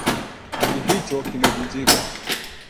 Kiti hicho kimevunjika